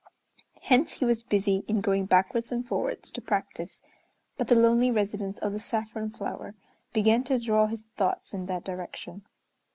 Hence he was busy in going backwards and forwards, to practise, but the lonely residence of the saffron flower began to draw his thoughts in that direction.